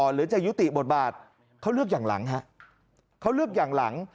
หรือจะยุติบทบาทเขาเลือกอย่างหลังฮะเขาเลือกอย่างหลัง